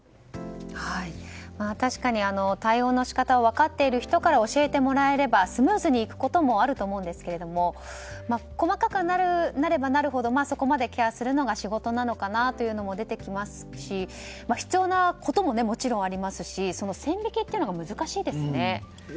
確かに対応の仕方を分かっている人から教えてもらえればスムーズにいくこともあると思うんですけれども細かくなればなるほどそこまでケアするのが仕事なのかなというのも出てきますし必要なことももちろんありますしその線引きっていうのが難しいですね。